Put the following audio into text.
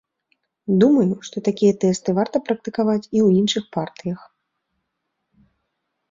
Думаю, што такія тэсты варта практыкаваць і ў іншых партыях.